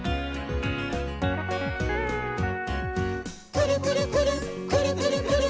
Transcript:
「くるくるくるっくるくるくるっ」